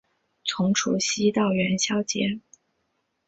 从除夕到元宵节